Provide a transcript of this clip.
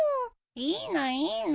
いいのいいの。